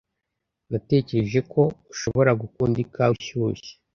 Natekereje ko ushobora gukunda ikawa ishyushye.